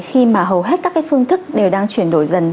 khi mà hầu hết các cái phương thức đều đang chuyển đổi dần